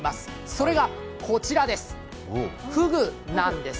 それがこちらです、ふぐなんです。